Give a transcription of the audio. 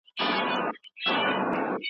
وطنه ځکه غمرازۍ لره درځمه